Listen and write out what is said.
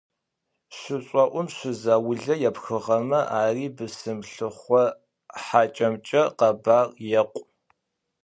Шышӏоӏум шы заулэ епхыгъэмэ, ари бысым лъыхъо хьакӏэмкӏэ къэбар екъу.